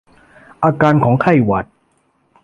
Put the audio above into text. อาการของไข้หวัด